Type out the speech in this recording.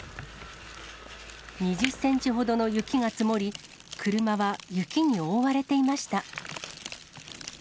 ２０センチほどの雪が積もり、車は雪に覆われていました。